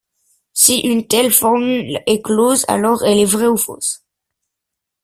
Si une telle formule est close, alors elle est vraie ou fausse.